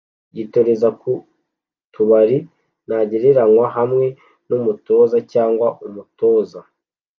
yitoreza ku tubari ntagereranywa hamwe n'umutoza cyangwa umutoza